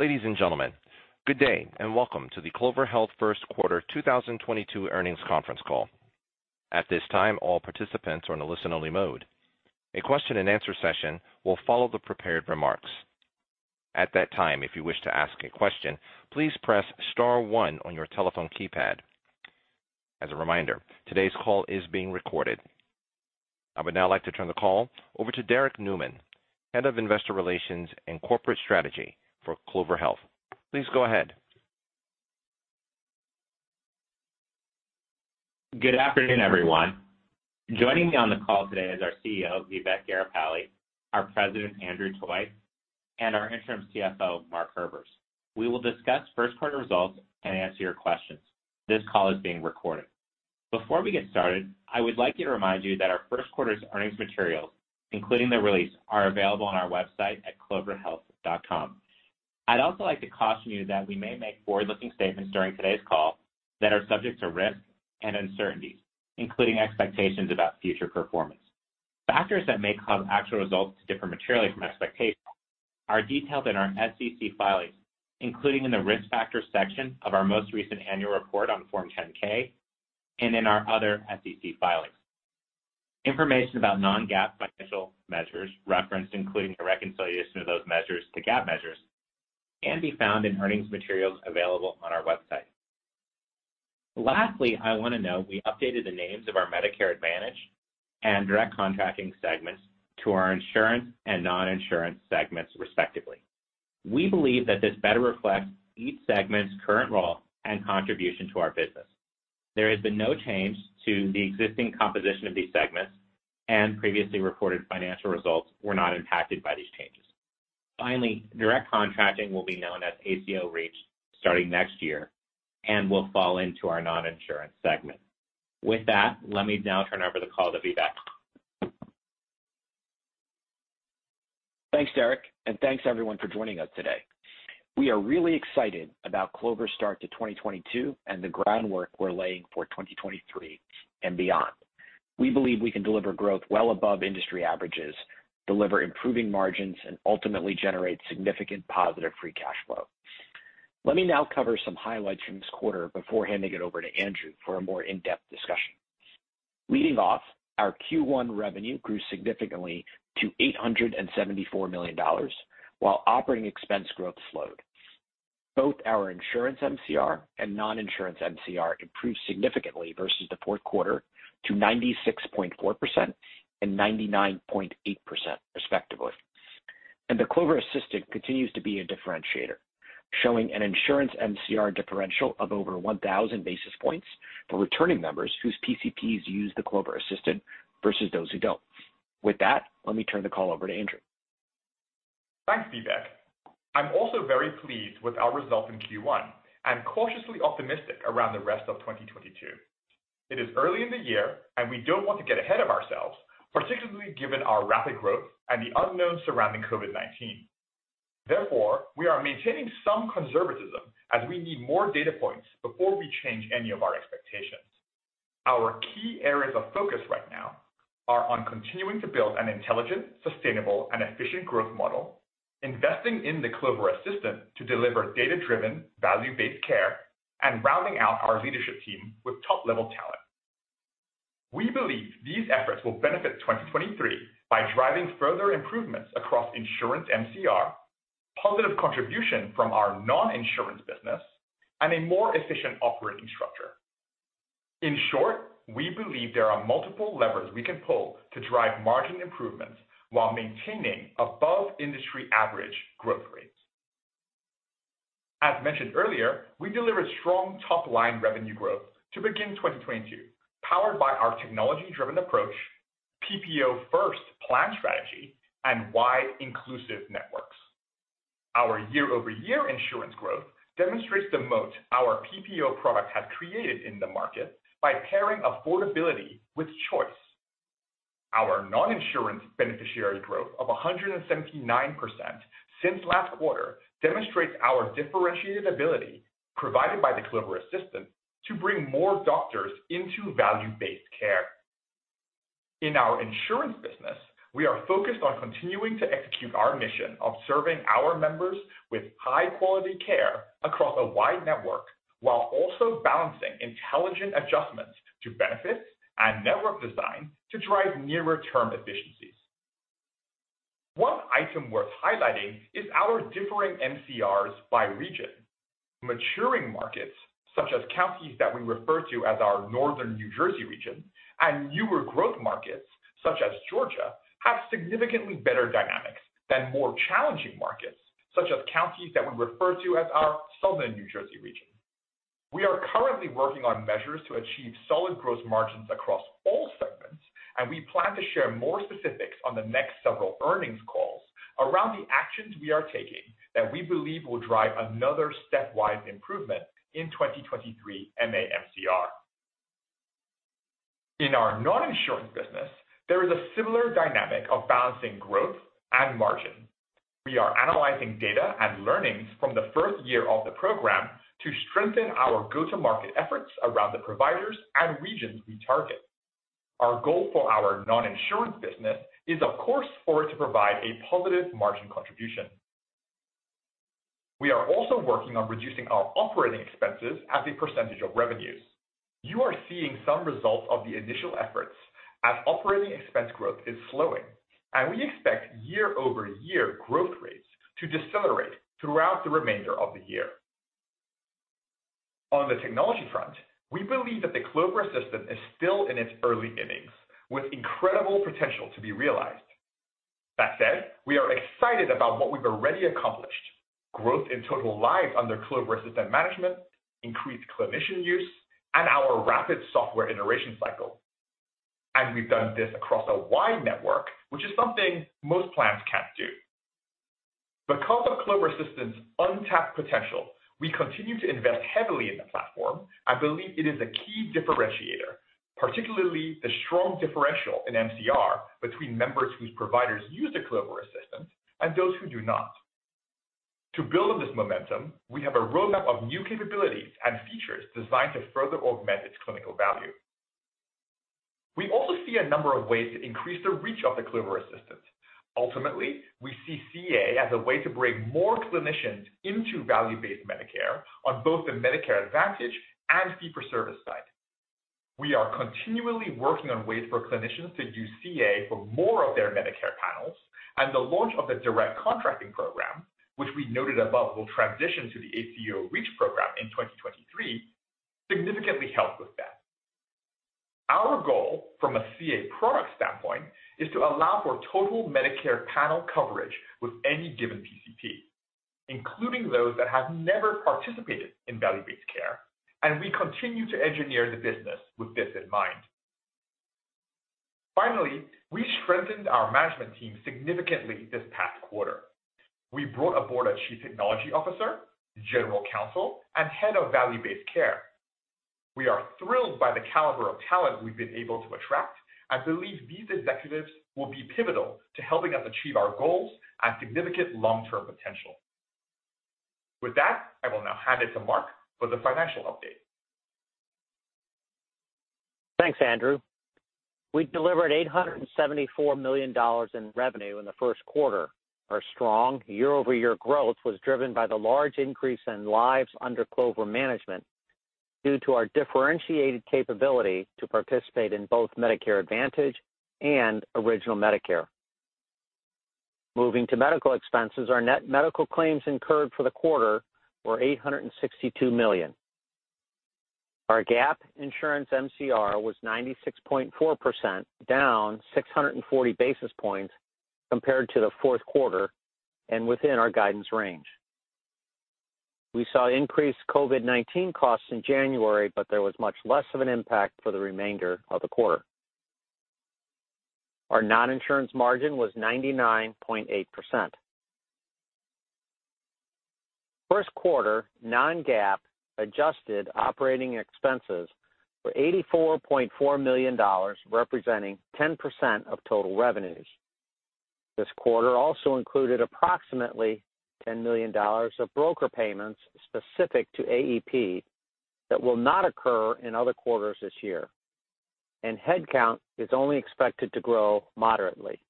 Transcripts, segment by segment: Ladies and gentlemen, good day and welcome to the Clover Health Q1 2022 Earnings Conference Call. At this time, all participants are in a listen-only mode. A question and answer session will follow the prepared remarks. At that time, if you wish to ask a question, please press star one on your telephone keypad. As a reminder, today's call is being recorded. I would now like to turn the call over to Derrick Nueman, Head of Investor Relations and Corporate Strategy for Clover Health. Please go ahead. Good afternoon, everyone. Joining me on the call today is our CEO, Vivek Garipalli, our President, Andrew Toy, and our interim CFO, Mark Herbers. We will discuss Q1 results and answer your questions. This call is being recorded. Before we get started, I would like to remind you that our Q1 earnings materials, including the release, are available on our website at cloverhealth.com. I'd also like to caution you that we may make forward-looking statements during today's call that are subject to risk and uncertainties, including expectations about future performance. Factors that may cause actual results to differ materially from expectations are detailed in our SEC filings, including in the Risk Factors section of our most recent annual report on Form 10-K and in our other SEC filings. Information about non-GAAP financial measures referenced, including the reconciliation of those measures to GAAP measures, can be found in earnings materials available on our website. Lastly, I want to note we updated the names of our Medicare Advantage and direct contracting segments to our insurance and non-insurance segments, respectively. We believe that this better reflects each segment's current role and contribution to our business. There has been no change to the existing composition of these segments, and previously reported financial results were not impacted by these changes. Finally, direct contracting will be known as ACO Reach starting next year and will fall into our non-insurance segment. With that, let me now turn over the call to Vivek. Thanks, Derrick, and thanks everyone for joining us today. We are really excited about Clover's start to 2022 and the groundwork we're laying for 2023 and beyond. We believe we can deliver growth well above industry averages, deliver improving margins, and ultimately generate significant positive free cash flow. Let me now cover some highlights from this quarter before handing it over to Andrew for a more in-depth discussion. Leading off, our Q1 revenue grew significantly to $874 million while operating expense growth slowed. Both our insurance MCR and non-insurance MCR improved significantly versus the Q4 to 96.4% and 99.8%, respectively. The Clover Assistant continues to be a differentiator, showing an insurance MCR differential of over 1,000 basis points for returning members whose PCPs use the Clover Assistant versus those who don't. With that, let me turn the call over to Andrew. Thanks, Vivek. I'm also very pleased with our results in Q1 and cautiously optimistic around the rest of 2022. It is early in the year, and we don't want to get ahead of ourselves, particularly given our rapid growth and the unknowns surrounding COVID-19. Therefore, we are maintaining some conservatism as we need more data points before we change any of our expectations. Our key areas of focus right now are on continuing to build an intelligent, sustainable, and efficient growth model, investing in the Clover Assistant to deliver data-driven, value-based care, and rounding out our leadership team with top-level talent. We believe these efforts will benefit 2023 by driving further improvements across insurance MCR, positive contribution from our non-insurance business, and a more efficient operating structure. In short, we believe there are multiple levers we can pull to drive margin improvements while maintaining above industry average growth rates. As mentioned earlier, we delivered strong top-line revenue growth to begin 2022, powered by our technology-driven approach, PPO-first plan strategy, and wide inclusive networks. Our year-over-year insurance growth demonstrates the moat our PPO product has created in the market by pairing affordability with choice. Our non-insurance beneficiary growth of 179% since last quarter demonstrates our differentiated ability provided by the Clover Assistant to bring more doctors into value-based care. In our insurance business, we are focused on continuing to execute our mission of serving our members with high-quality care across a wide network, while also balancing intelligent adjustments to benefits and network design to drive nearer-term efficiencies. One item worth highlighting is our differing MCRs by region. Maturing markets, such as counties that we refer to as our northern New Jersey region, and newer growth markets, such as Georgia, have significantly better dynamics than more challenging markets, such as counties that we refer to as our southern New Jersey region. We are currently working on measures to achieve solid growth margins across all segments, and we plan to share more specifics on the next several earnings calls around the actions we are taking that we believe will drive another stepwise improvement in 2023 MA MCR. In our non-insurance business, there is a similar dynamic of balancing growth and margin. We are analyzing data and learnings from the first year of the program to strengthen our go-to-market efforts around the providers and regions we target. Our goal for our non-insurance business is, of course, for it to provide a positive margin contribution. We are also working on reducing our operating expenses as a percentage of revenues. You are seeing some results of the initial efforts as operating expense growth is slowing, and we expect year-over-year growth rates to decelerate throughout the remainder of the year. On the technology front, we believe that the Clover Assistant is still in its early innings, with incredible potential to be realized. That said, we are excited about what we've already accomplished. Growth in total lives under Clover Assistant management, increased clinician use, and our rapid software iteration cycle. We've done this across a wide network, which is something most plans can't do. Because of Clover Assistant's untapped potential, we continue to invest heavily in the platform and believe it is a key differentiator, particularly the strong differential in MCR between members whose providers use the Clover Assistant and those who do not. To build on this momentum, we have a roadmap of new capabilities and features designed to further augment its clinical value. We also see a number of ways to increase the reach of the Clover Assistant. Ultimately, we see CA as a way to bring more clinicians into value-based Medicare on both the Medicare Advantage and fee-for-service side. We are continually working on ways for clinicians to use CA for more of their Medicare panels, and the launch of the direct contracting program, which we noted above will transition to the ACO Reach program in 2023, significantly helped with that. Our goal from a CA product standpoint is to allow for total Medicare panel coverage with any given PCP, including those that have never participated in value-based care, and we continue to engineer the business with this in mind. Finally, we strengthened our management team significantly this past quarter. We brought aboard a chief technology officer, general counsel, and head of value-based care. We are thrilled by the caliber of talent we've been able to attract and believe these executives will be pivotal to helping us achieve our goals and significant long-term potential. With that, I will now hand it to Mark for the financial update. Thanks, Andrew. We delivered $874 million in revenue in the Q1. Our strong year-over-year growth was driven by the large increase in lives under Clover management due to our differentiated capability to participate in both Medicare Advantage and original Medicare. Moving to medical expenses, our net medical claims incurred for the quarter were $862 million. Our GAAP insurance MCR was 96.4%, down 640 basis points compared to the Q4 and within our guidance range. We saw increased COVID-19 costs in January, but there was much less of an impact for the remainder of the quarter. Our non-insurance margin was 99.8%. Q1 non-GAAP adjusted operating expenses were $84.4 million, representing 10% of total revenues. This quarter also included approximately $10 million of broker payments specific to AEP that will not occur in other quarters this year. Headcount is only expected to grow moderately.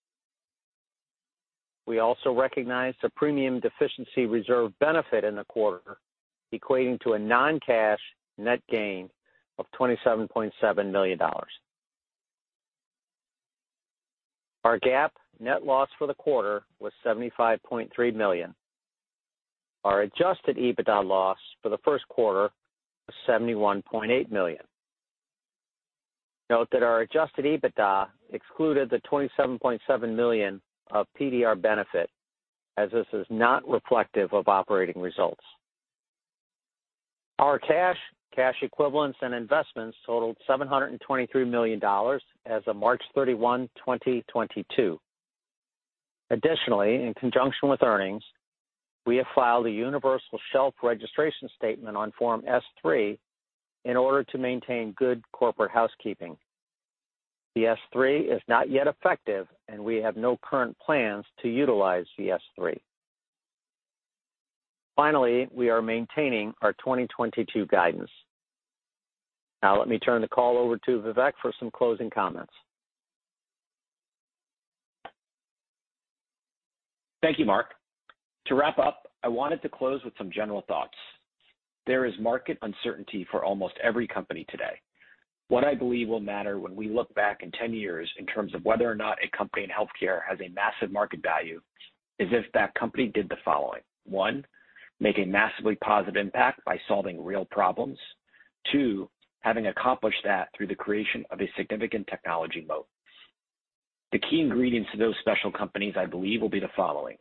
We also recognized a premium deficiency reserve benefit in the quarter, equating to a non-cash net gain of $27.7 million. Our GAAP net loss for the quarter was $75.3 million. Our Adjusted EBITDA loss for the Q1 was $71.8 million. Note that our Adjusted EBITDA excluded the $27.7 million of PDR benefit, as this is not reflective of operating results. Our cash equivalents and investments totaled $723 million as of March 31, 2022. Additionally, in conjunction with earnings, we have filed a universal shelf registration statement on form S-3 in order to maintain good corporate housekeeping. The S-3 is not yet effective, and we have no current plans to utilize the S-3. Finally, we are maintaining our 2022 guidance. Now let me turn the call over to Vivek for some closing comments. Thank you, Mark. To wrap up, I wanted to close with some general thoughts. There is market uncertainty for almost every company today. What I believe will matter when we look back in 10 years in terms of whether or not a company in healthcare has a massive market value is if that company did the following. One, make a massively positive impact by solving real problems. Two, having accomplished that through the creation of a significant technology moat. The key ingredients to those special companies I believe will be the following.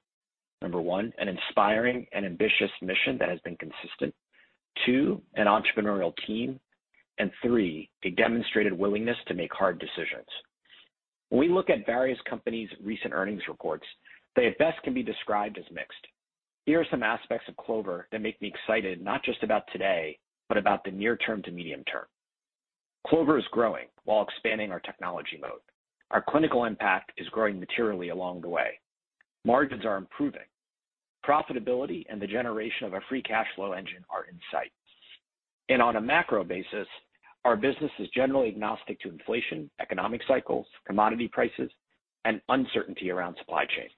Number one, an inspiring and ambitious mission that has been consistent. Two, an entrepreneurial team. And three, a demonstrated willingness to make hard decisions. When we look at various companies' recent earnings reports, they at best can be described as mixed. Here are some aspects of Clover that make me excited, not just about today, but about the near term to medium term. Clover is growing while expanding our technology moat. Our clinical impact is growing materially along the way. Margins are improving. Profitability and the generation of a free cash flow engine are in sight. On a macro basis, our business is generally agnostic to inflation, economic cycles, commodity prices, and uncertainty around supply chains.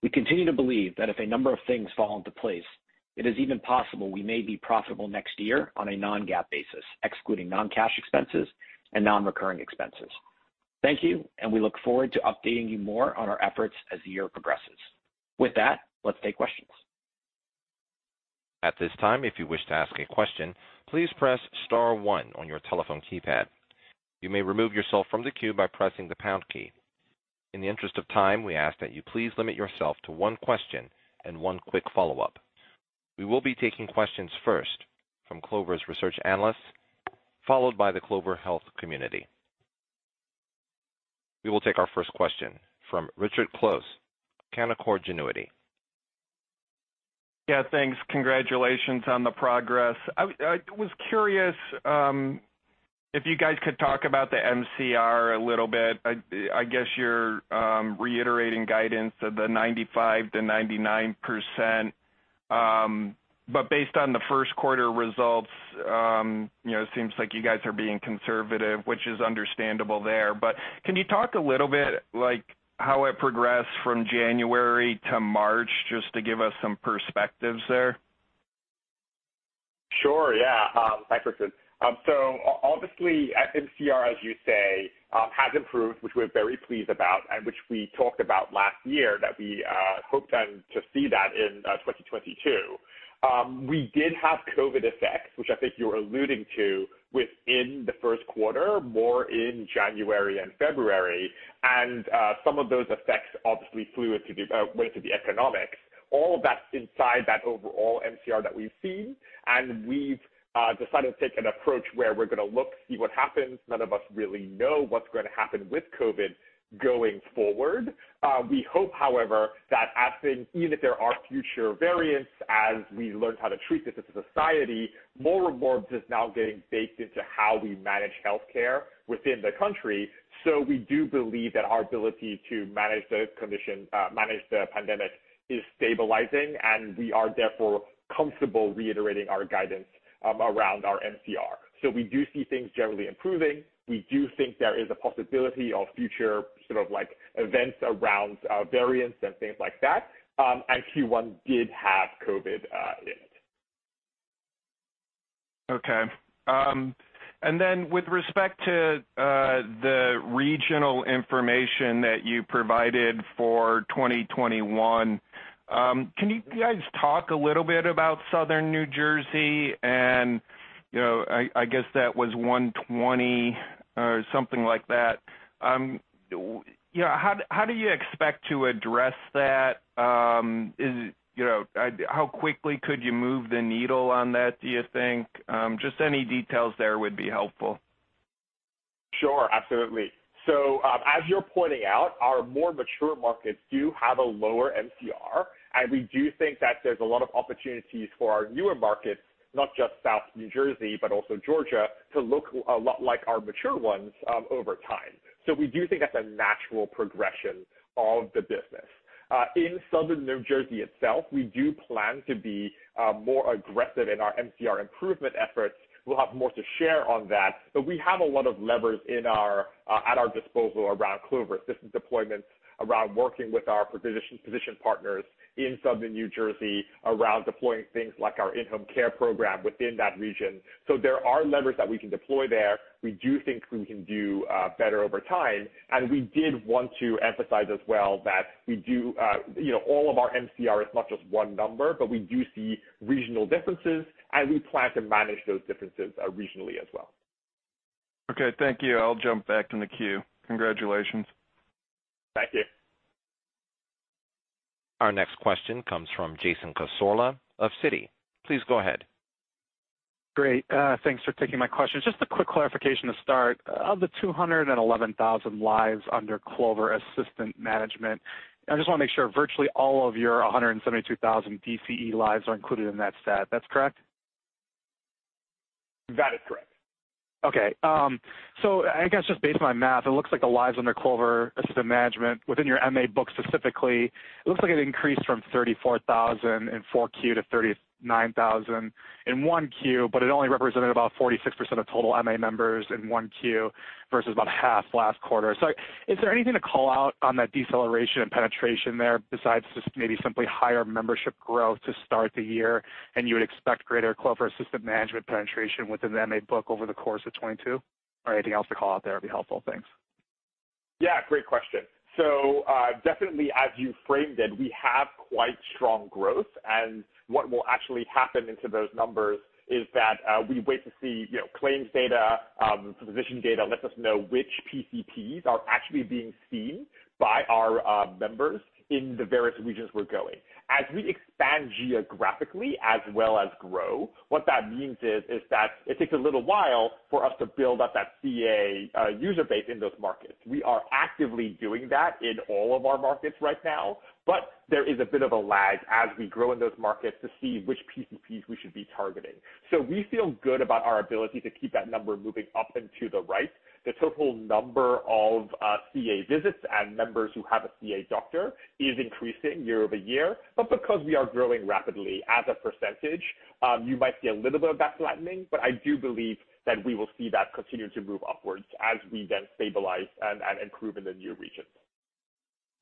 We continue to believe that if a number of things fall into place, it is even possible we may be profitable next year on a non-GAAP basis, excluding non-cash expenses and non-recurring expenses. Thank you, and we look forward to updating you more on our efforts as the year progresses. With that, let's take questions. At this time, if you wish to ask a question, please press star one on your telephone keypad. You may remove yourself from the queue by pressing the pound key. In the interest of time, we ask that you please limit yourself to one question and one quick follow-up. We will be taking questions first from Clover's research analysts, followed by the Clover Health community. We will take our first question from Richard Close, Canaccord Genuity. Yeah, thanks. Congratulations on the progress. I was curious if you guys could talk about the MCR a little bit. I guess you're reiterating guidance of the 95%-99%. But based on the Q1 results, you know, it seems like you guys are being conservative, which is understandable there. Can you talk a little bit like how it progressed from January to March, just to give us some perspectives there? Sure, yeah. Hi, Richard. So obviously, MCR, as you say, has improved, which we're very pleased about and which we talked about last year, that we hoped then to see that in 2022. We did have COVID effects, which I think you're alluding to within the Q1, more in January and February. Some of those effects obviously flowed into the economics. All of that's inside that overall MCR that we've seen. We've decided to take an approach where we're gonna look, see what happens. None of us really know what's gonna happen with COVID going forward. We hope, however, that as in even if there are future variants, as we learn how to treat this as a society, more and more of this is now getting baked into how we manage healthcare within the country. We do believe that our ability to manage the condition, manage the pandemic is stabilizing, and we are therefore comfortable reiterating our guidance around our MCR. We do see things generally improving. We do think there is a possibility of future sort of like events around, variants and things like that. Q1 did have COVID in it. Okay. With respect to the regional information that you provided for 2021, can you guys talk a little bit about Southern New Jersey and, you know, I guess that was 120 or something like that. You know, how do you expect to address that? You know, how quickly could you move the needle on that, do you think? Just any details there would be helpful. Sure, absolutely. As you're pointing out, our more mature markets do have a lower MCR, and we do think that there's a lot of opportunities for our newer markets, not just Southern New Jersey, but also Georgia, to look a lot like our mature ones, over time. We do think that's a natural progression of the business. In Southern New Jersey itself, we do plan to be more aggressive in our MCR improvement efforts. We'll have more to share on that, but we have a lot of levers at our disposal around Clover Assistant deployments, around working with our physician partners in Southern New Jersey, around deploying things like our in-home care program within that region. There are levers that we can deploy there. We do think we can do better over time. We did want to emphasize as well that we do, you know, all of our MCR is not just one number, but we do see regional differences, and we plan to manage those differences, regionally as well. Okay, thank you. I'll jump back in the queue. Congratulations. Thank you. Our next question comes from Jason Cassorla of Citi. Please go ahead. Great. Thanks for taking my question. Just a quick clarification to start. Of the 211,000 lives under Clover Assistant Management, I just wanna make sure, virtually all of your 172,000 DCE lives are included in that stat. That's correct? That is correct. Okay. I guess just based on my math, it looks like the lives under Clover Assistant Management within your MA book specifically, it looks like it increased from 34,000 in Q4 to 39,000 in Q1, but it only represented about 46% of total MA members in Q1, versus about half last quarter. Is there anything to call out on that deceleration and penetration there besides just maybe simply higher membership growth to start the year, and you would expect greater Clover Assistant Management penetration within the MA book over the course of 2022? Anything else to call out there would be helpful. Thanks. Yeah, great question. Definitely as you framed it, we have quite strong growth. What will actually happen into those numbers is that, we wait to see, you know, claims data, physician data lets us know which PCPs are actually being seen by our members in the various regions we're going. As we expand geographically as well as grow, what that means is that it takes a little while for us to build up that CA user base in those markets. We are actively doing that in all of our markets right now, but there is a bit of a lag as we grow in those markets to see which PCPs we should be targeting. We feel good about our ability to keep that number moving up and to the right. The total number of CA visits and members who have a CA doctor is increasing year-over-year. Because we are growing rapidly as a percentage, you might see a little bit of that flattening, but I do believe that we will see that continue to move upwards as we then stabilize and improve in the new regions.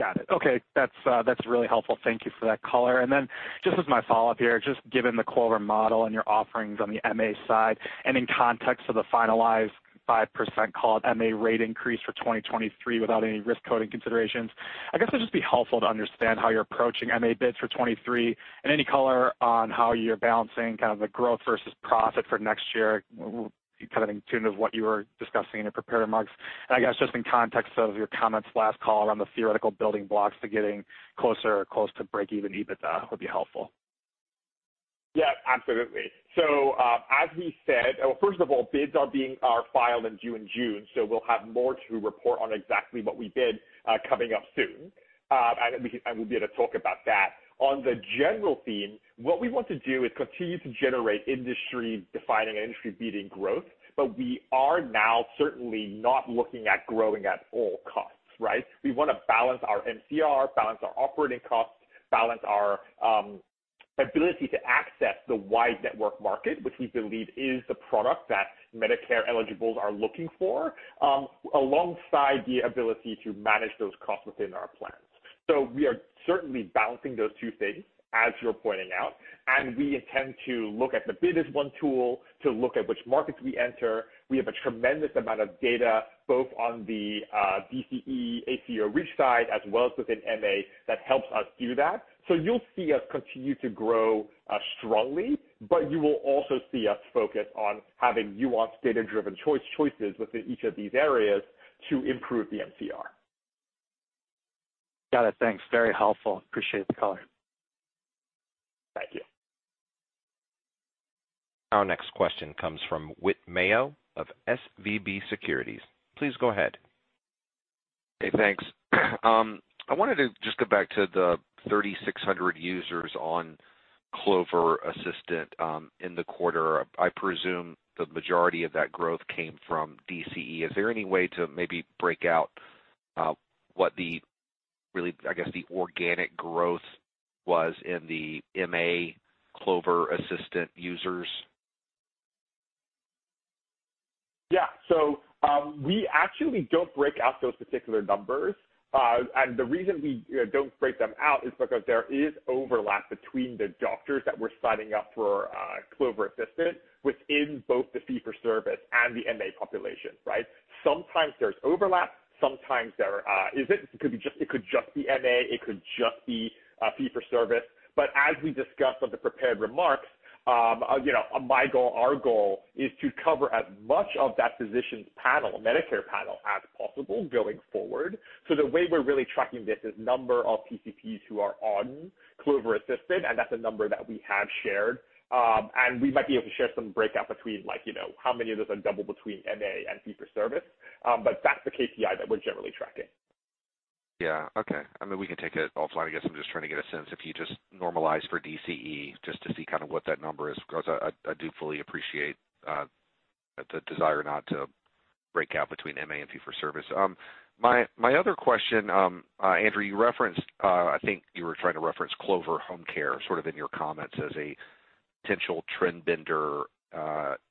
Got it. Okay, that's really helpful. Thank you for that color. Just as my follow-up here, just given the Clover model and your offerings on the MA side and in context of the finalized 5% overall MA rate increase for 2023 without any risk coding considerations, I guess it'd just be helpful to understand how you're approaching MA bids for 2023 and any color on how you're balancing kind of the growth versus profit for next year, with kind of in tune with what you were discussing in your prepared remarks. I guess just in context of your comments last call around the theoretical building blocks to getting closer or close to break-even EBITDA would be helpful. Yeah, absolutely. As we said, well, first of all, bids are filed and due in June, so we'll have more to report on exactly what we bid, coming up soon. And we'll be able to talk about that. On the general theme, what we want to do is continue to generate industry-defining and industry-beating growth, but we are now certainly not looking at growing at all costs, right? We wanna balance our MCR, balance our operating costs, balance our ability to access the wide network market, which we believe is the product that Medicare eligibles are looking for, alongside the ability to manage those costs within our plans. We are certainly balancing those two things, as you're pointing out, and we intend to look at the bid as one tool to look at which markets we enter. We have a tremendous amount of data both on the DCE, ACO Reach side as well as within MA that helps us do that. You'll see us continue to grow strongly, but you will also see us focus on having nuanced data-driven choices within each of these areas to improve the MCR. Got it. Thanks. Very helpful. Appreciate the color. Thank you. Our next question comes from Whit Mayo of SVB Securities. Please go ahead. Hey, thanks. I wanted to just go back to the 3,600 users on Clover Assistant in the quarter. I presume the majority of that growth came from DCE. Is there any way to maybe break out what the really, I guess, the organic growth was in the MA Clover Assistant users? Yeah. We actually don't break out those particular numbers. The reason we don't break them out is because there is overlap between the doctors that we're signing up for Clover Assistant within both the fee for service and the MA population, right? Sometimes there's overlap, sometimes there isn't. It could just be MA, it could just be fee for service. But as we discussed on the prepared remarks, you know, my goal, our goal is to cover as much of that physician's panel, Medicare panel as possible going forward. The way we're really tracking this is number of PCPs who are on Clover Assistant, and that's a number that we have shared. We might be able to share some breakout between, like, you know, how many of those are double between MA and fee for service, but that's the KPI that we're generally tracking. Yeah. Okay. I mean, we can take it offline. I guess I'm just trying to get a sense if you just normalize for DCE just to see kind of what that number is. 'Cause I do fully appreciate the desire not to break out between MA and fee for service. My other question, Andrew, you referenced, I think you were trying to reference Clover Home Care sort of in your comments as a potential trend bender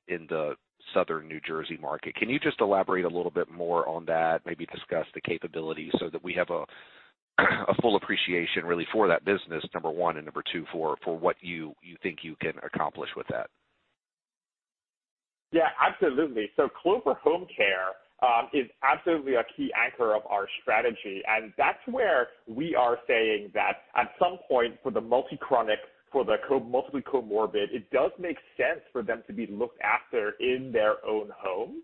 in the Southern New Jersey market. Can you just elaborate a little bit more on that, maybe discuss the capabilities so that we have a full appreciation really for that business, number one, and number two, for what you think you can accomplish with that? Yeah, absolutely. Clover Home Care is absolutely a key anchor of our strategy, and that's where we are saying that at some point for the multi-chronic, for the multiple comorbid, it does make sense for them to be looked after in their own home.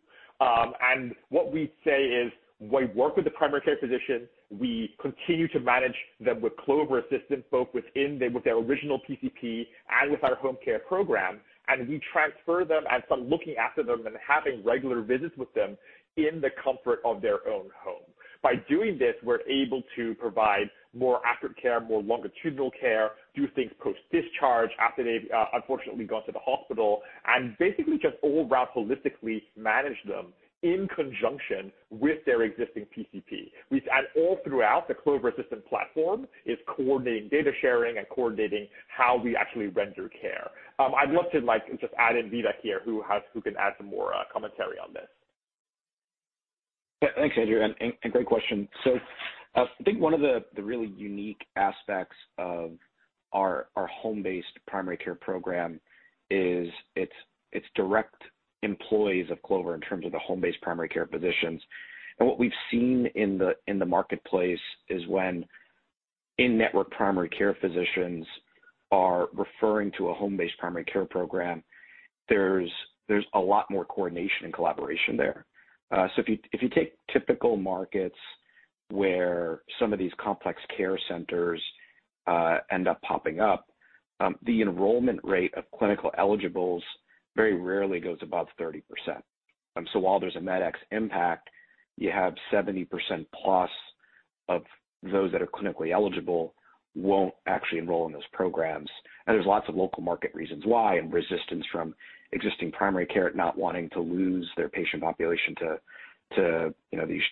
What we say is we work with the primary care physician, we continue to manage them with Clover Assistant, both within with their original PCP and with our home care program, and we transfer them and start looking after them and having regular visits with them in the comfort of their own home. By doing this, we're able to provide more accurate care, more longitudinal care, do things post-discharge after they've unfortunately gone to the hospital, and basically just try to holistically manage them in conjunction with their existing PCP, which overall throughout the Clover Assistant platform is coordinating data sharing and coordinating how we actually render care. I'd love to, like, just add in Vivek here who can add some more commentary on this. Yeah. Thanks, Andrew, and great question. I think one of the really unique aspects of our home-based primary care program is it's direct employees of Clover in terms of the home-based primary care physicians. What we've seen in the marketplace is when in-network primary care physicians are referring to a home-based primary care program, there's a lot more coordination and collaboration there. If you take typical markets where some of these complex care centers end up popping up, the enrollment rate of clinically eligible very rarely goes above 30%. While there's a MedEx impact, you have 70%+ of those that are clinically eligible won't actually enroll in those programs. There's lots of local market reasons why and resistance from existing primary care not wanting to lose their patient population to, you know, these,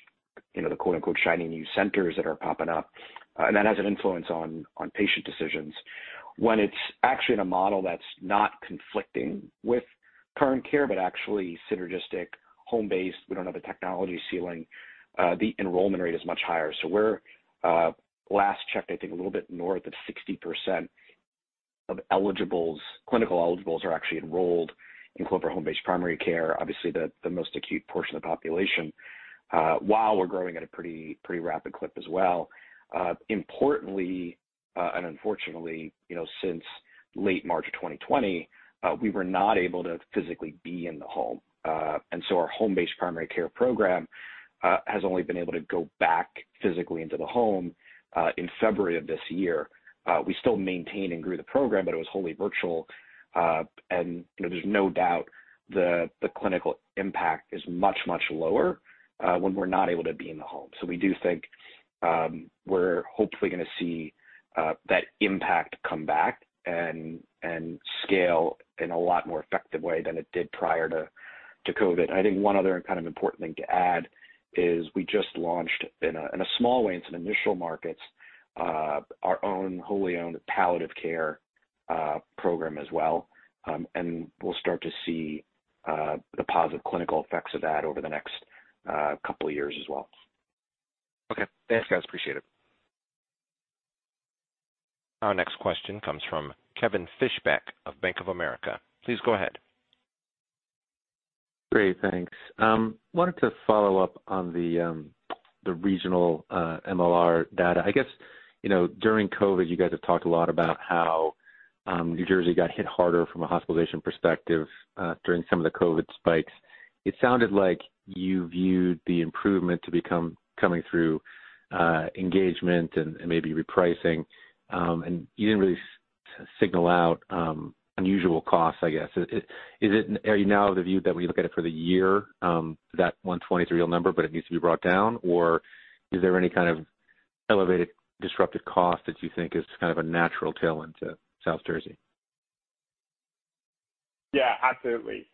you know, the quote-unquote "shiny new centers" that are popping up. That has an influence on patient decisions. When it's actually in a model that's not conflicting with current care, but actually synergistic, home-based, we don't have a technology ceiling, the enrollment rate is much higher. We're last checked, I think a little bit north of 60% of eligibles, clinical eligibles are actually enrolled in Clover Home-based Primary Care, obviously, the most acute portion of the population, while we're growing at a pretty rapid clip as well. Importantly, and unfortunately, you know, since late March of 2020, we were not able to physically be in the home. Our home-based primary care program has only been able to go back physically into the home, in February of this year. We still maintained and grew the program, but it was wholly virtual. You know, there's no doubt the clinical impact is much lower when we're not able to be in the home. We do think we're hopefully gonna see that impact come back and scale in a lot more effective way than it did prior to COVID. I think one other kind of important thing to add is we just launched in a small way in some initial markets our own wholly owned palliative care program as well. We'll start to see the positive clinical effects of that over the next couple of years as well. Okay. Thanks, guys. Appreciate it. Our next question comes from Kevin Fischbeck of Bank of America. Please go ahead. Great. Thanks. Wanted to follow up on the regional MLR data. I guess, you know, during COVID, you guys have talked a lot about how New Jersey got hit harder from a hospitalization perspective during some of the COVID spikes. It sounded like you viewed the improvement to be coming through engagement and maybe repricing, and you didn't really signal out unusual costs, I guess. Are you now of the view that when you look at it for the year that 120% is a real number, but it needs to be brought down? Or is there any kind of elevated disruptive cost that you think is kind of a natural tail into South Jersey? Yeah, absolutely.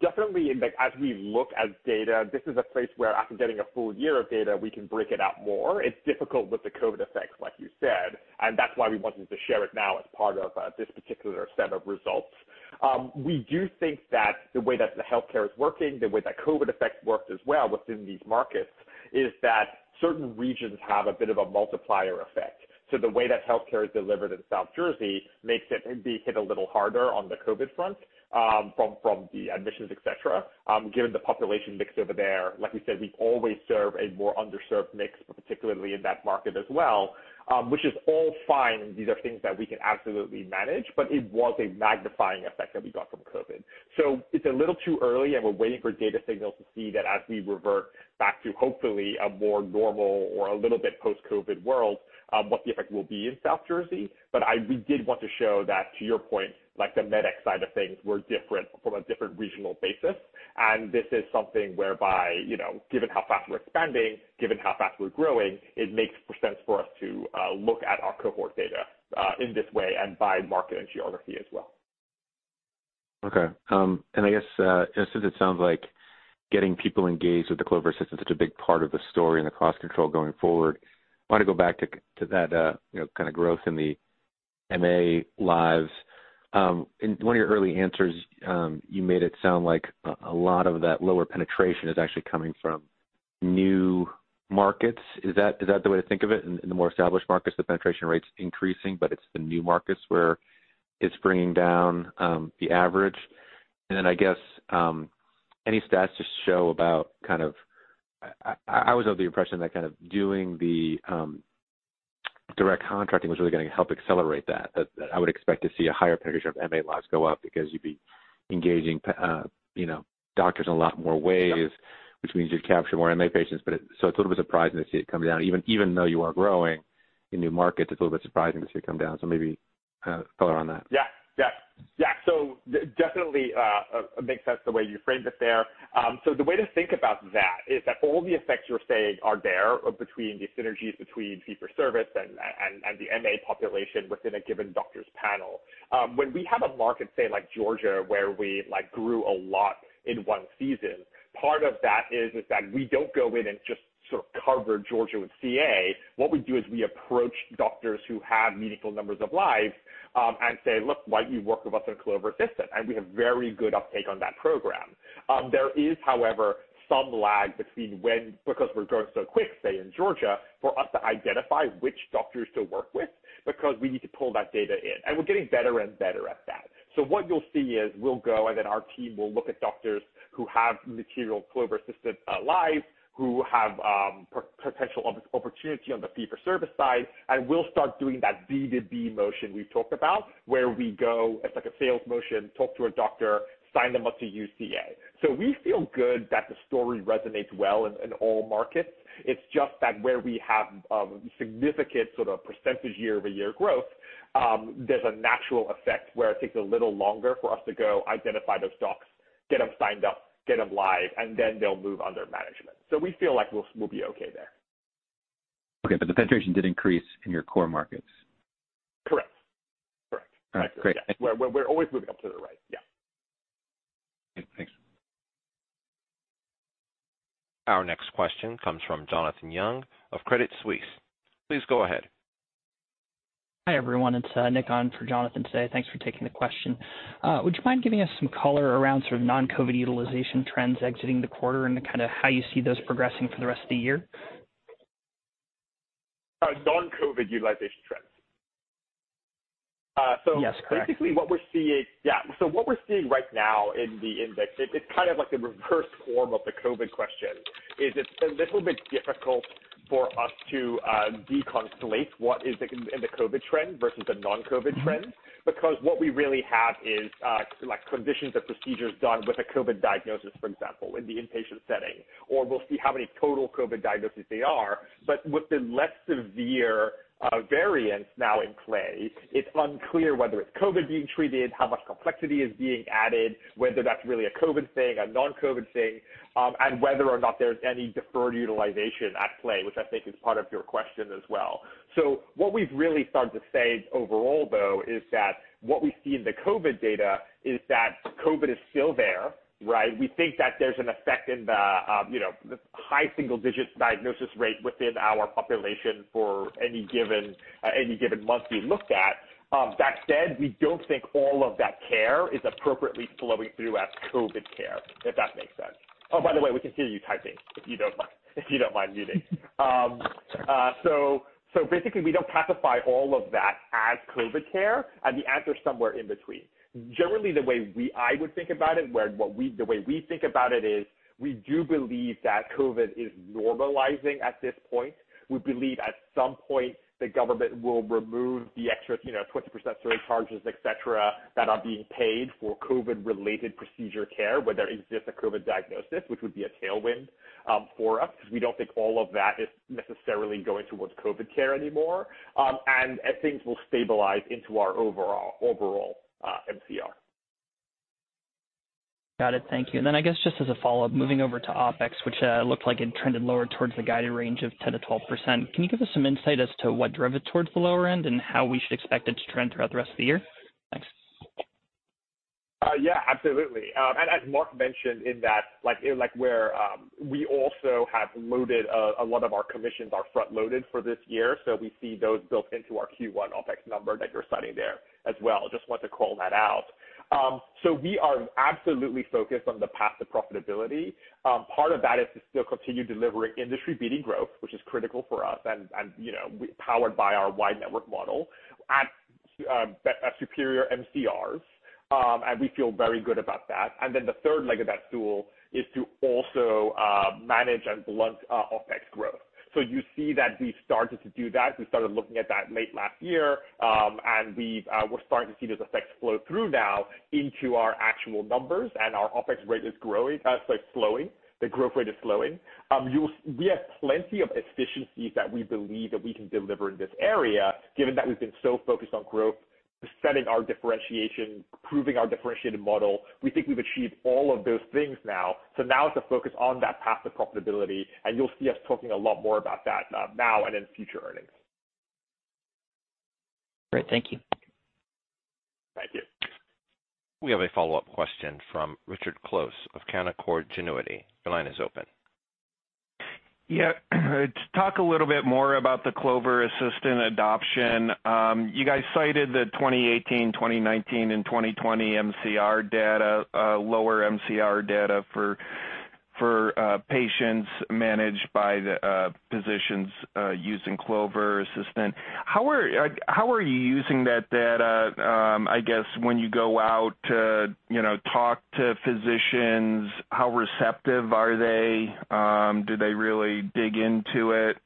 Definitely, like, as we look at data, this is a place where after getting a full year of data, we can break it out more. It's difficult with the COVID effects, like you said, and that's why we wanted to share it now as part of this particular set of results. We do think that the way that the healthcare is working, the way that COVID effects worked as well within these markets is that certain regions have a bit of a multiplier effect. The way that healthcare is delivered in South Jersey makes it be hit a little harder on the COVID front, from the admissions, et cetera, given the population mix over there. Like we said, we always serve a more underserved mix, but particularly in that market as well, which is all fine. These are things that we can absolutely manage, but it was a magnifying effect that we got from COVID. It's a little too early, and we're waiting for data signals to see that as we revert back to hopefully a more normal or a little bit post-COVID world, what the effect will be in South Jersey. We did want to show that to your point, like, the Medicare side of things were different from a different regional basis. This is something whereby, you know, given how fast we're expanding, given how fast we're growing, it makes sense for us to look at our cohort data in this way and by market and geography as well. Okay. I guess, since it sounds like getting people engaged with the Clover system is such a big part of the story and the cost control going forward, I wanna go back to to that, you know, kinda growth in the MA Lives. In one of your early answers, you made it sound like a lot of that lower penetration is actually coming from new markets. Is that the way to think of it in the more established markets, the penetration rates increasing, but it's the new markets where it's bringing down the average? I guess, any stats to show about kind of I was of the impression that kind of doing the direct contracting was really gonna help accelerate that. I would expect to see a higher penetration of MA lives go up because you'd be engaging, you know, doctors in a lot more ways, which means you'd capture more MA patients. It's a little bit surprising to see it come down, even though you are growing in new markets. It's a little bit surprising to see it come down. Maybe color on that. Yeah. Definitely makes sense the way you framed it there. The way to think about that is that all the effects you're saying are there between the synergies between fee for service and the MA population within a given doctor's panel. When we have a market, say, like Georgia, where we, like, grew a lot in one season, part of that is that we don't go in and just sort of cover Georgia with CA. What we do is we approach doctors who have meaningful numbers of lives and say, "Look, why don't you work with us on Clover Assistant?" We have very good uptake on that program. There is, however, some lag between when, because we're growing so quick, say in Georgia, for us to identify which doctors to work with because we need to pull that data in, and we're getting better and better at that. What you'll see is we'll go, and then our team will look at doctors who have material Clover Assistant lives, who have potential opportunity on the fee for service side, and we'll start doing that B2B motion we've talked about where we go, it's like a sales motion, talk to a doctor, sign them up to use CA. We feel good that the story resonates well in all markets. It's just that where we have significant sort of percentage year-over-year growth, there's a natural effect where it takes a little longer for us to go identify those docs, get them signed up, get them live, and then they'll move under management. We feel like we'll be okay there. Okay, the penetration did increase in your core markets? Correct. Correct. All right, great. We're always moving up to the right. Yeah. Okay, thanks. Our next question comes from Jonathan Yong of Credit Suisse. Please go ahead. Hi, everyone. It's Nick on for Jonathan today. Thanks for taking the question. Would you mind giving us some color around sort of non-COVID utilization trends exiting the quarter and kind of how you see those progressing for the rest of the year? Non-COVID utilization trends. Yes, correct. What we're seeing right now in the index, it's kind of like the reverse form of the COVID question. It's a little bit difficult for us to deconflate what is in the COVID trend versus the non-COVID trend. Because what we really have is like conditions or procedures done with a COVID diagnosis, for example, in the inpatient setting, or we'll see how many total COVID diagnoses there are. With the less severe variants now in play, it's unclear whether it's COVID being treated, how much complexity is being added, whether that's really a COVID thing, a non-COVID thing, and whether or not there's any deferred utilization at play, which I think is part of your question as well. What we've really started to say overall though, is that what we see in the COVID data is that COVID is still there, right? We think that there's an effect in the high single digits diagnosis rate within our population for any given month we looked at. That said, we don't think all of that care is appropriately flowing through as COVID care, if that makes sense. Oh, by the way, we can hear you typing, if you don't mind muting. Sorry. Basically we don't classify all of that as COVID care, and the answer's somewhere in between. Generally, the way we think about it is we do believe that COVID is normalizing at this point. We believe at some point, the government will remove the extra, you know, 20% surcharges, etc., that are being paid for COVID-related procedure care, where there exists a COVID diagnosis, which would be a tailwind for us, because we don't think all of that is necessarily going towards COVID care anymore. As things will stabilize into our overall MCR. Got it. Thank you. I guess just as a follow-up, moving over to OpEx, which looked like it trended lower towards the guided range of 10%-12%. Can you give us some insight as to what drove it towards the lower end and how we should expect it to trend throughout the rest of the year? Thanks. Yeah, absolutely. As Mark mentioned in that, like where, we also have loaded a lot of our commissions are front-loaded for this year, so we see those built into our Q1 OpEx number that you're citing there as well. Just wanted to call that out. We are absolutely focused on the path to profitability. Part of that is to still continue delivering industry-beating growth, which is critical for us and, you know, powered by our wide network model at superior MCRs. We feel very good about that. The third leg of that stool is to also manage and blunt OpEx growth. You see that we've started to do that. We started looking at that late last year, and we're starting to see those effects flow through now into our actual numbers, and our OpEx rate is slowing. The growth rate is slowing. We have plenty of efficiencies that we believe that we can deliver in this area, given that we've been so focused on growth, setting our differentiation, proving our differentiated model. We think we've achieved all of those things now. Now it's a focus on that path to profitability, and you'll see us talking a lot more about that, now and in future earnings. Great. Thank you. Thank you. We have a follow-up question from Richard Close of Canaccord Genuity. Your line is open. Yeah. To talk a little bit more about the Clover Assistant adoption, you guys cited the 2018, 2019 and 2020 MCR data, lower MCR data for patients managed by the physicians using Clover Assistant. How are you using that data, I guess when you go out to, you know, talk to physicians, how receptive are they? Do they really dig into it?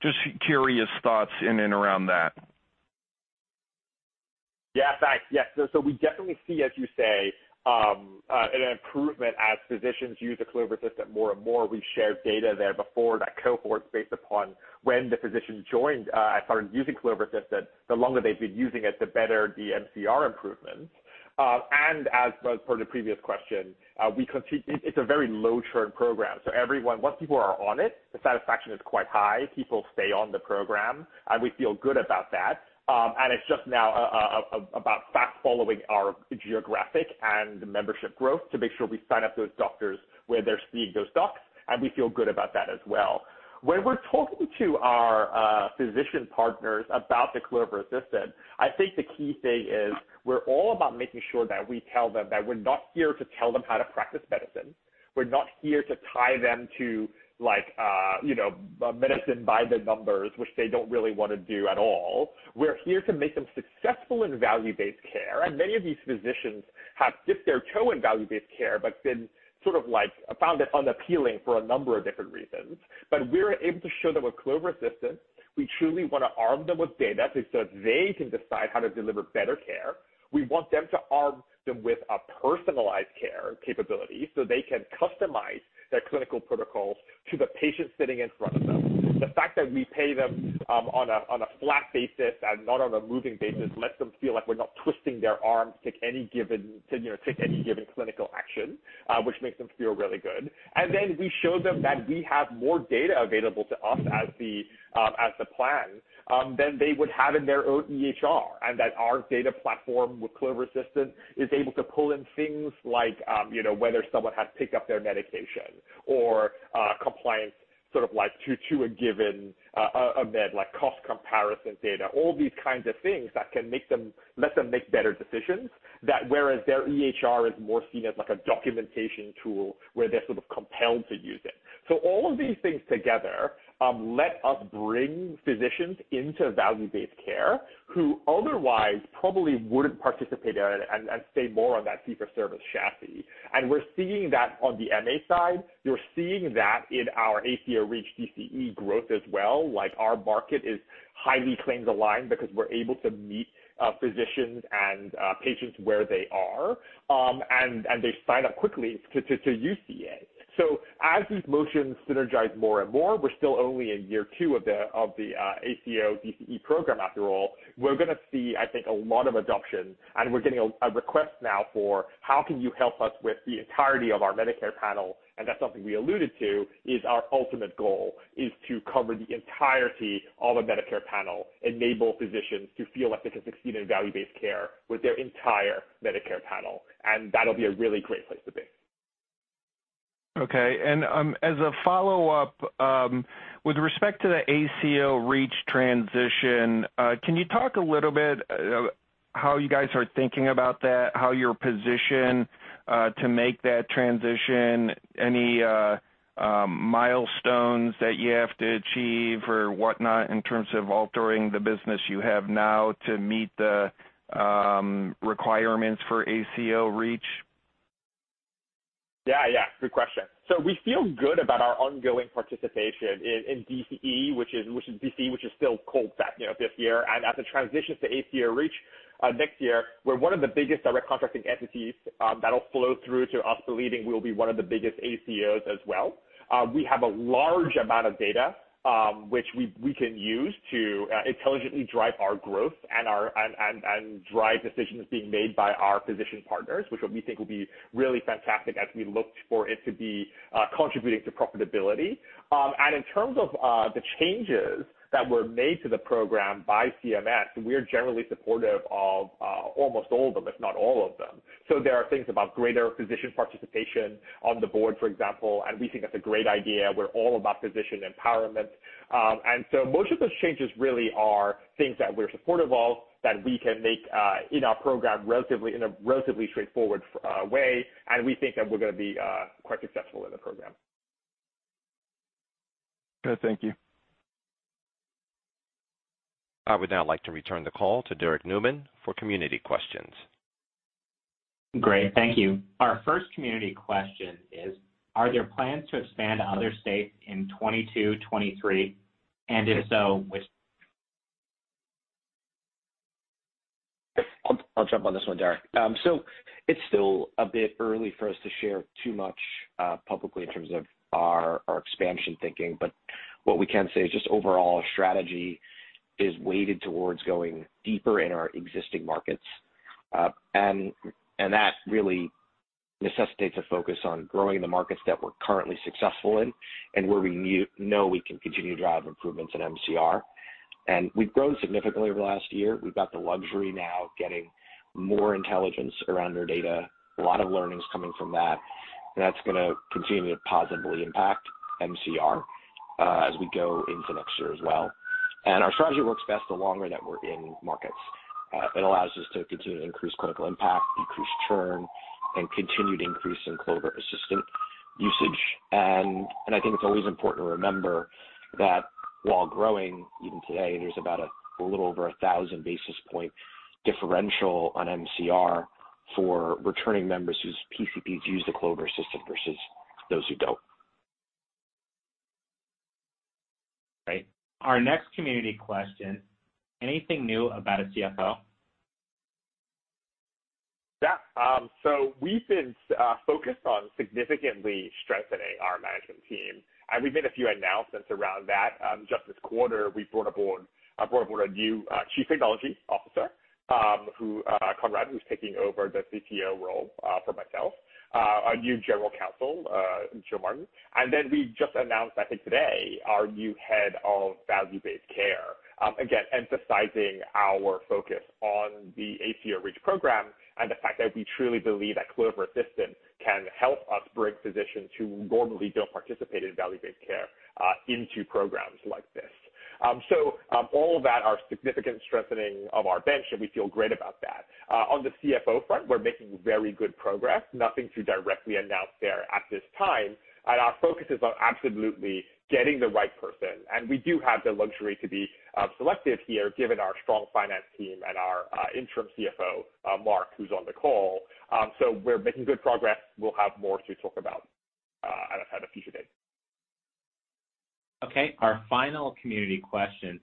Just curious thoughts in and around that. Yeah. Thanks. Yes. We definitely see, as you say, an improvement as physicians use the Clover Assistant more and more. We've shared data there before that cohort based upon when the physician joined, started using Clover Assistant, the longer they've been using it, the better the MCR improvements. As per the previous question, we can see it. It's a very low churn program. Once people are on it, the satisfaction is quite high. People stay on the program, and we feel good about that. It's just now about fast-following our geographic and membership growth to make sure we sign up those doctors where they're seeing those docs, and we feel good about that as well. When we're talking to our physician partners about the Clover Assistant, I think the key thing is we're all about making sure that we tell them that we're not here to tell them how to practice medicine. We're not here to tie them to like, you know, medicine by the numbers, which they don't really wanna do at all. We're here to make them successful in value-based care, and many of these physicians have dipped their toe in value-based care but been sort of like, found it unappealing for a number of different reasons. We're able to show them with Clover Assistant, we truly wanna arm them with data so they can decide how to deliver better care. We want them to arm them with a personalized care capability so they can customize their clinical protocols to the patient sitting in front of them. The fact that we pay them on a flat basis and not on a moving basis lets them feel like we're not twisting their arm to any given, you know, take any given clinical action, which makes them feel really good. Then we show them that we have more data available to us as the plan than they would have in their own EHR, and that our data platform with Clover Assistant is able to pull in things like, you know, whether someone has picked up their medication or compliance sort of like to a given a med, like cost comparison data. All these kinds of things let them make better decisions that whereas their EHR is more seen as like a documentation tool where they're sort of compelled to use it. All of these things together let us bring physicians into value-based care who otherwise probably wouldn't participate in it and stay more on that fee-for-service chassis. We're seeing that on the MA side. We're seeing that in our ACO Reach DCE growth as well. Like, our market is highly claims aligned because we're able to meet physicians and patients where they are, and they sign up quickly to UCA. As these motions synergize more and more, we're still only in year two of the ACO DCE program after all. We're gonna see, I think, a lot of adoption. We're getting a request now for how can you help us with the entirety of our Medicare panel, and that's something we alluded to, is our ultimate goal, is to cover the entirety of a Medicare panel, enable physicians to feel like they can succeed in value-based care with their entire Medicare panel, and that'll be a really great place to be. Okay. As a follow-up, with respect to the ACO Reach transition, can you talk a little bit, how you guys are thinking about that, how you're positioned, to make that transition? Any milestones that you have to achieve or whatnot in terms of altering the business you have now to meet the requirements for ACO Reach? Yeah, yeah. Good question. We feel good about our ongoing participation in DCE, which is DCE, which is still in effect, you know, this year. As it transitions to ACO Reach next year, we're one of the biggest direct contracting entities that'll flow through to us believing we'll be one of the biggest ACOs as well. We have a large amount of data which we can use to intelligently drive our growth and drive decisions being made by our physician partners, which we think will be really fantastic as we look for it to be contributing to profitability. In terms of the changes that were made to the program by CMS, we're generally supportive of almost all of them, if not all of them. There are things about greater physician participation on the board, for example, and we think that's a great idea. We're all about physician empowerment. Most of those changes really are things that we're supportive of that we can make in our program in a relatively straightforward way, and we think that we're gonna be quite successful in the program. Good. Thank you. I would now like to return the call to Derrick Nueman for community questions. Great. Thank you. Our first community question is, are there plans to expand to other states in 2022, 2023? If so, which- I'll jump on this one, Derrick. So it's still a bit early for us to share too much publicly in terms of our expansion thinking, but what we can say is just overall strategy is weighted towards going deeper in our existing markets. That really necessitates a focus on growing the markets that we're currently successful in and where we know we can continue to drive improvements in MCR. We've grown significantly over the last year. We've got the luxury now of getting more intelligence around our data, a lot of learnings coming from that, and that's gonna continue to positively impact MCR as we go into next year as well. Our strategy works best the longer that we're in markets. It allows us to continue to increase clinical impact, decrease churn, and continue to increase in Clover Assistant usage. I think it's always important to remember that while growing, even today, there's about a little over a thousand basis point differential on MCR for returning members whose PCPs use the Clover Assistant versus those who don't. Great. Our next community question, anything new about a CFO? Yeah. We've been focused on significantly strengthening our management team, and we've made a few announcements around that. Just this quarter, we've brought aboard a new Chief Technology Officer, Conrad, who's taking over the CTO role for myself. A new General Counsel, Joe Martin. We just announced, I think today, our new Head of Value-Based Care, again emphasizing our focus on the ACO Reach program and the fact that we truly believe that Clover Assistant can help us bring physicians who normally don't participate in value-based care into programs like this. All of that are significant strengthening of our bench, and we feel great about that. On the CFO front, we're making very good progress, nothing to directly announce there at this time. Our focus is on absolutely getting the right person, and we do have the luxury to be selective here given our strong finance team and our Interim CFO, Mark, who's on the call. We're making good progress. We'll have more to talk about at a future date. Okay. Our final community question,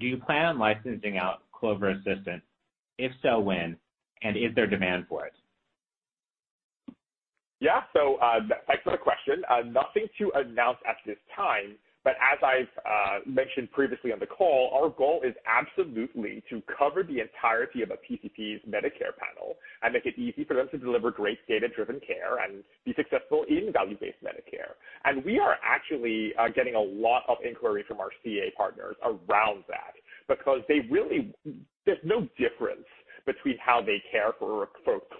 do you plan on licensing out Clover Assistant? If so, when? And is there demand for it? Yeah. Excellent question. Nothing to announce at this time, but as I've mentioned previously on the call, our goal is absolutely to cover the entirety of a PCP's Medicare panel and make it easy for them to deliver great data-driven care and be successful in value-based Medicare. We are actually getting a lot of inquiry from our CA partners around that because they really, there is no difference between how they care for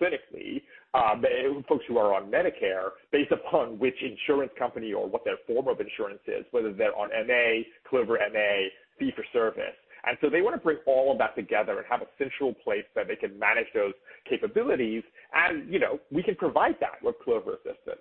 clinically the folks who are on Medicare based upon which insurance company or what their form of insurance is, whether they're on MA, Clover MA, fee for service. They wanna bring all of that together and have a central place that they can manage those capabilities and, you know, we can provide that with Clover Assistant.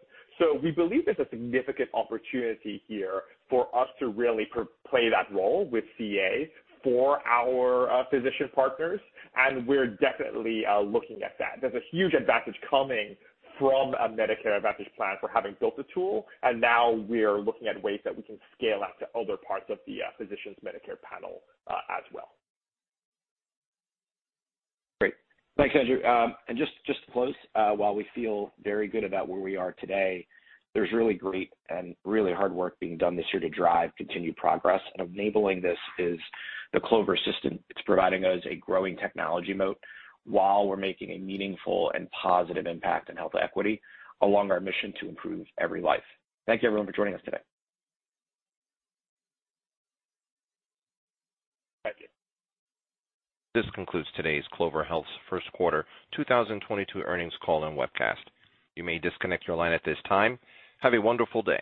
We believe there's a significant opportunity here for us to really play that role with CA for our physician partners, and we're definitely looking at that. There's a huge advantage coming from a Medicare Advantage plan for having built the tool, and now we're looking at ways that we can scale out to other parts of the physicians Medicare panel as well. Great. Thanks, Andrew. Just to close, while we feel very good about where we are today, there's really great and really hard work being done this year to drive continued progress. Enabling this is the Clover Assistant. It's providing us a growing technology moat while we're making a meaningful and positive impact in health equity along our mission to improve every life. Thank you everyone for joining us today. Thank you. This concludes today's Clover Health's Q1 2022 Earnings Call and webcast. You may disconnect your line at this time. Have a wonderful day.